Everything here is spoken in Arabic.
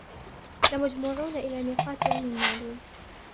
لمجموعون إلى ميقات يوم معلوم